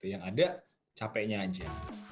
yang ada capeknya aja